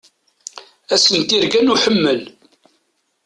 Ass-n n tirga n uḥemmel.